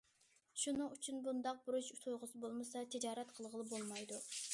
شۇنىڭ ئۈچۈن، بۇنداق بۇرچ تۇيغۇسى بولمىسا، تىجارەت قىلغىلى بولمايدۇ.